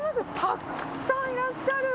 たくさんいらっしゃる。